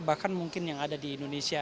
bahkan mungkin yang ada di indonesia